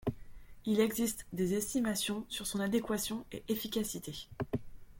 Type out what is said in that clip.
Il existe des estimations sur son adéquation et efficacité.